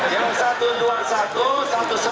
yang satu dua puluh satu satu sebelas tapi sama sama